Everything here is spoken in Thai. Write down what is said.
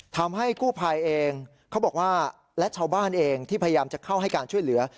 ทำให้กู้ภัยเองเขาบอกว่าและชาวบ้านเองที่พยายามจะเข้าให้การช่วยเหลือ